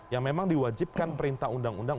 yang memang diwajibkan perintah undang undang